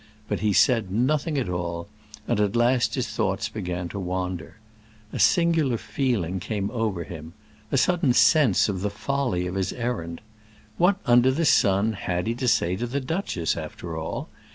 But he said nothing at all, and at last his thoughts began to wander. A singular feeling came over him—a sudden sense of the folly of his errand. What under the sun had he to say to the duchess, after all?